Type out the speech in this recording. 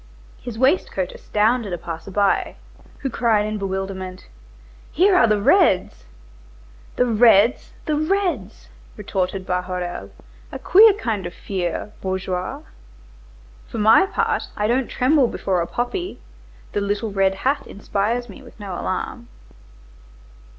His waistcoat astounded a passer by, who cried in bewilderment:— "Here are the reds!" "The reds, the reds!" retorted Bahorel. "A queer kind of fear, bourgeois. For my part I don't tremble before a poppy, the little red hat inspires me with no alarm.